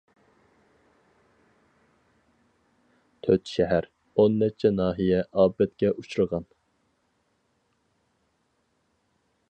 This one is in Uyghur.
تۆت شەھەر، ئون نەچچە ناھىيە ئاپەتكە ئۇچرىغان.